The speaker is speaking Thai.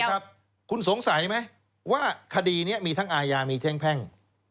ครับคุณสงสัยไหมว่าคดีนี้มีทั้งอาญามีแท่งแพ่ง